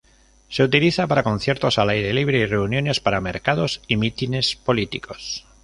Se utiliza para conciertos al aire libre y reuniones, para mercados y mítines políticos.